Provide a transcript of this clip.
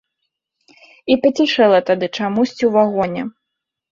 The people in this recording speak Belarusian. І пацішэла тады чамусьці ў вагоне.